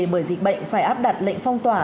bởi dịch bệnh phải áp đặt lệnh phong tỏa